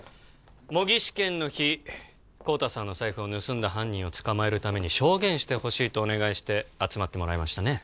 模擬試験の日孝多さんの財布を盗んだ犯人を捕まえるために証言してほしいとお願いして集まってもらいましたね